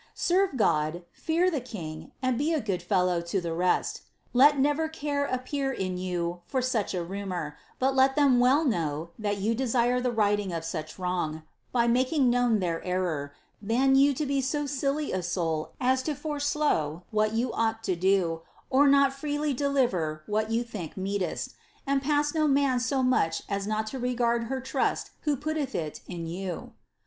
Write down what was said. Serve God, fear the king, and be a good fellow to the rest. Let never care appear in you for such a rumour, but let them well know that yon desire the righting of such wrong, by making known their error, than you to be so silly a soul as to fore slow what you ought to do, or not freely de Uver what you think mcetest, and pass of no man so much as not to regard her trust who putteth it in you.